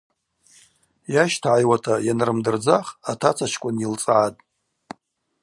Йащтагӏайуата йанрымдырдзах атацачкӏвын йылцӏгӏатӏ.